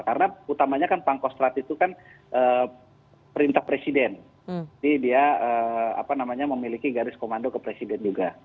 karena utamanya kan pak kostrat itu kan perintah presiden jadi dia memiliki garis komando ke presiden juga